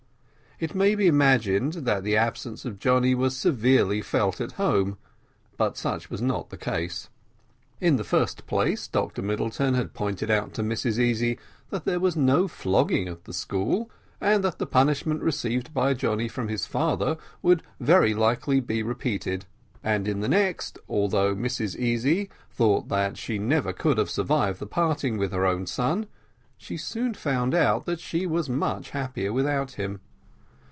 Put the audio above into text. It may be imagined that the absence of Johnny was severely felt at home, but such was not the case. In the first place, Dr Middleton had pointed out to Mrs Easy that there was no flogging at the school, and that the punishment received by Johnny from his father would very likely be repeated and in the next, although Mrs Easy thought that she never could have survived the parting with her own son, she soon found out that she was much happier without him.